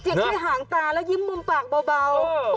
เจ็ดขึ้นหางตาแล้วยิ้มมือปากเบา